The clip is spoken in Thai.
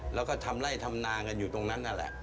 แล้วก็ทำไล่ทำนากันอยู่ตรงนั้นนั่นแหละ